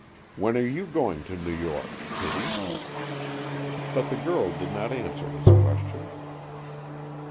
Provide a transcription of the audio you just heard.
When are you going to New York, Kitty?" But the girl did not answer his question.